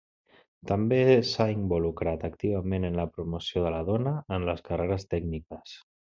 També s'ha involucrat activament en la promoció de la dona en les carreres tècniques.